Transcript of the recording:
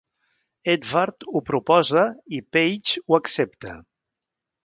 Edvard ho proposa i Paige ho accepta.